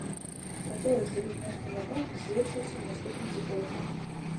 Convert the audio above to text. Пра тое, што тут нешта не так, сведчыць і наступны цікавы факт.